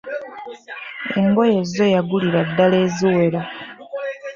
Engoye zzo yagulira ddala eziwera.